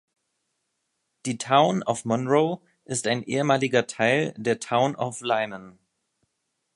Die Town of Monroe ist ein ehemaliger Teil der Town of Lyman.